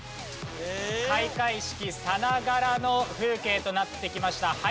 開会式さながらの風景となってきました。